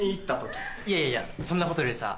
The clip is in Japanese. いやいやそんなことよりさ